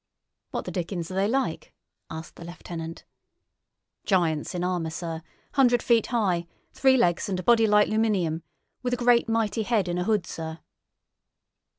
"What the dickens are they like?" asked the lieutenant. "Giants in armour, sir. Hundred feet high. Three legs and a body like 'luminium, with a mighty great head in a hood, sir."